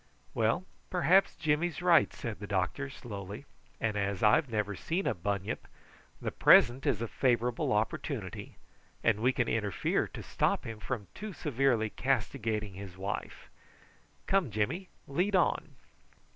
"Well, perhaps Jimmy's right," said the doctor slowly; "and as I've never seen a bunyip the present is a favourable opportunity, and we can interfere to stop him from too severely castigating his wife. Come, Jimmy, lead on."